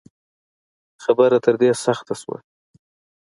خبره تر دې سخته شوه